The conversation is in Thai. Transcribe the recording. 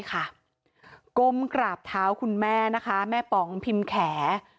ก้มกราบเท้าคุณแม่นะคะแม่ป๋องพิมพ์แข